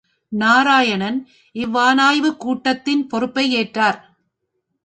நாராயணன் இவ்வானாய்வுக் கூடத்தின் பொறுப்பை ஏற்றார்.